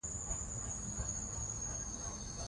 د مېلو پر مهال کوچنيان د ادب، نظم او ترتیب زدهکړه کوي.